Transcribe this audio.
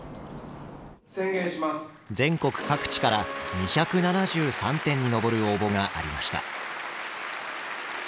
全国各地から２７３点に上る応募がありました。